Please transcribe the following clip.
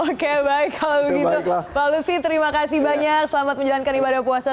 oke baik kalau begitu pak lutfi terima kasih banyak selamat menjalankan ibadah puasa